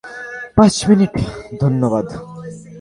পাঁচ মিনিট, ধন্যবাদ।